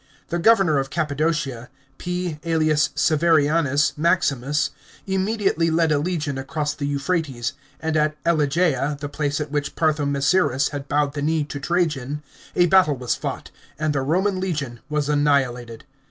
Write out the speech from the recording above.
* The go vernor of Cap,>adocia, P. ^Elius Severianus Maximus, immediately led a legion across the Euphrates, and at Elegeia — the place at v\hi£h Parthomasiris had bowed the knee to Trajan — a battle was fought, anu the Roman legion was annihilated.